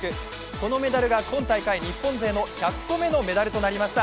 このメダルが今大会、日本勢の１００個目のメダルとなりました。